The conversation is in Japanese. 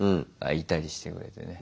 いたりしてくれてね。